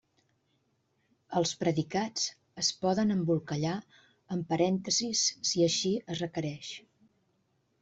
Els predicats es poden embolcallar amb parèntesis si així es requereix.